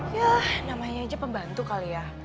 ya namanya aja pembantu kali ya